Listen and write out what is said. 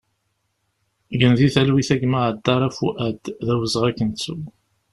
Gen di talwit a gma Adara Fuad, d awezɣi ad k-nettu!